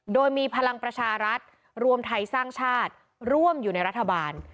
โดยมีพลังประชารัฐรวมไทยสร้างชาติร่วมอยู่ในรัฐบาล